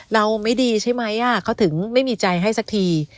เราไม่ดีใช่ไหมเขาถึงไม่มีใจให้สักที